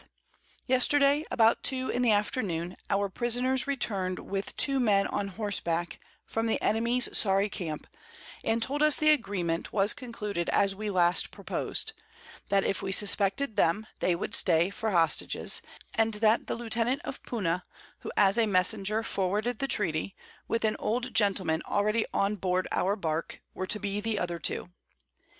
_ Yesterday about 2 in the Afternoon our Prisoners returned with two Men on Horseback from the Enemy's sorry Camp, and told us the Agreement was concluded as we last proposed, that if we suspected them, they would stay for Hostages, and that the Lieutenant of Puna, who as a Messenger forwarded the Treaty, with an old Gentleman already on board our Bark, were to be the other two.